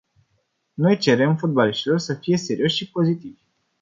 Noi cerem fotbaliștilor să fie serioși și pozitivi.